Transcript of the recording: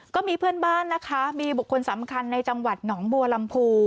ก็มีเพื่อนบ้านนะคะมีบุคคลสำคัญในจังหวัดหนองบัวลำพู